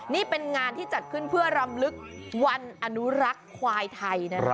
นี่เป็นงานที่จัดขึ้นเพื่อรำลึกวันอนุรักษ์ควายไทยนะครับ